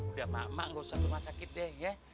udah mak mak gak usah ke rumah sakit deh